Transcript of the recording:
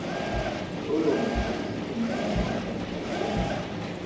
Mais Oloron est aussi connue comme étant la capitale du béret.